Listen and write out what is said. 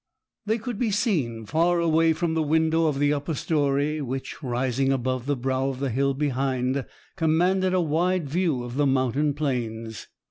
They could be seen far away from the window of the upper storey, which, rising above the brow of the hill behind, commanded a wide view of the mountain plains.